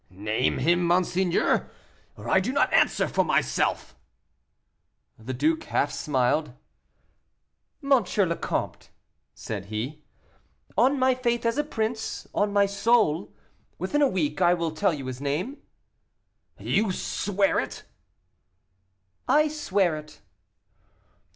"Name him, monseigneur, or I do not answer for myself." The duke half smiled. "M. le Comte," said he, "on my faith as a prince, on my soul, within a week I will tell you his name." "You swear it." "I swear it."